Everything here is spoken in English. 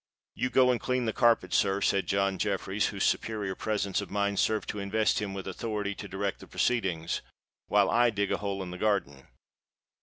"You go and clean the carpet, sir," said John Jeffreys, whose superior presence of mind served to invest him with authority to direct the proceedings; "while I dig a hole in the garden."